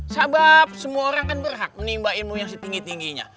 sabab semua orang kan berhak menimba ilmu yang setinggi tingginya